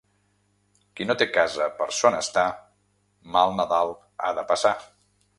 Qui no té casa per son estar, mal Nadal ha de passar.